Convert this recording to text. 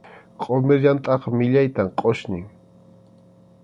Qʼumir yamtʼaqa millaytam qʼusñin.